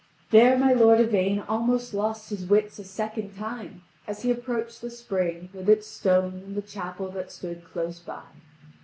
There my lord Yvain almost lost his wits a second time, as he approached the spring, with its stone and the chapel that stood close by.